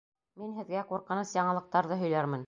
Мин һеҙгә ҡурҡыныс яңылыҡтарҙы һөйләрмен.